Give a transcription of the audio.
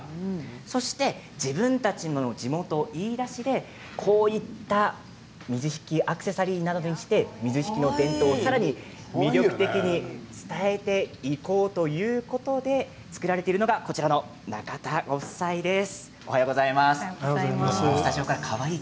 そして自分たちの地元飯田市でこういった水引アクセサリーなどにして水引の伝統をさらに魅力的に伝えていこうということで作られているのがこちらの仲田ご夫妻です。